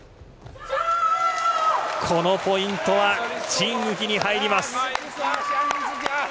このポイントはチン・ウヒに入ります。